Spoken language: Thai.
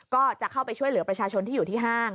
ก็จะเข้าไปช่วยเหลือประชาชนที่อยู่ที่ห้าง